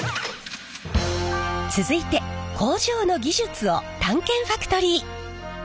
続いて工場の技術を探検ファクトリー！